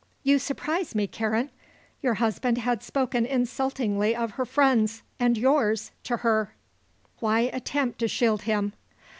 "You surprise me, Karen. Your husband had spoken insultingly of her friends and yours to her. Why attempt to shield him?